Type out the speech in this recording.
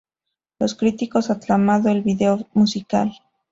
Los críticos aclamado el vídeo musical.